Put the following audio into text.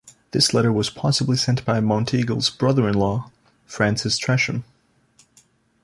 This letter was possibly sent by Monteagle's brother-in-law, Francis Tresham.